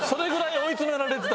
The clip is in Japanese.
追い詰められて。